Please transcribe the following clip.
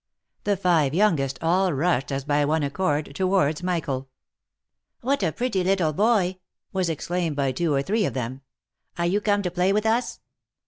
The five youngest, all rushed as by one accord towards Michael. " What a pretty little boy !" was exclaimed by two or three of them. " Are you come to play with us